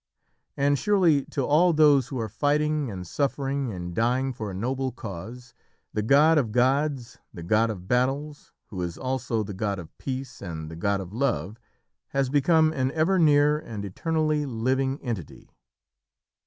And, surely, to all those who are fighting, and suffering, and dying for a noble cause, the GOD of gods, the GOD of battles, who is also the GOD of peace, and the GOD of Love, has become an ever near and eternally living entity.